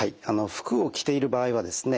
服を着ている場合はですね